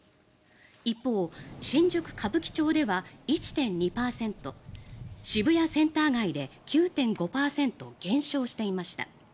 一方新宿・歌舞伎町では１．２％渋谷センター街で９．５％減少していました。